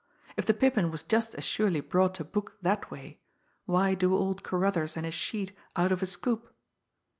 If the Pippin was just as surely brought to book that way, why do old Carruthers and his sheet out of a "scoop"!